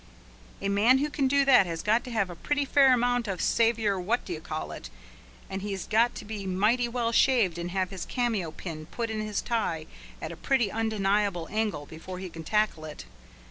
A man who can do that has got to have a pretty fair amount of savoir what do you call it, and he's got to be mighty well shaved and have his cameo pin put in his tie at a pretty undeniable angle before he can tackle it.